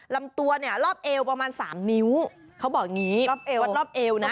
ลำตัวรอบเอวประมาณ๓นิ้วเขาบอกอย่างนี้วัดรอบเอวนะ